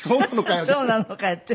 「そうなのかよ」って。